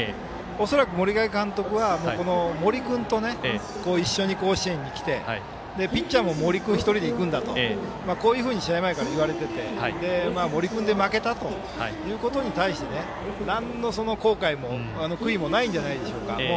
恐らく森影監督は森君と一緒に甲子園に来てピッチャーも森君一人でいくんだとこういうふうに試合前から言われてて森君で負けたということに対してなんの後悔も悔いもないんじゃないでしょうか。